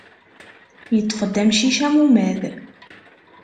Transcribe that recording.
Yeṭṭef-d umcic amumad.